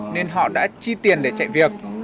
nên họ đã chi tiền để chạy việc